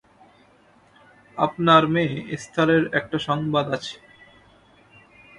আপনার মেয়ে এস্থারের একটা সংবাদ আছে।